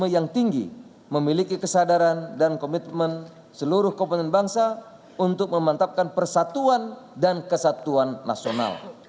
dan juga untuk keinginan yang tinggi memiliki kesadaran dan komitmen seluruh kompeten bangsa untuk memantapkan persatuan dan kesatuan nasional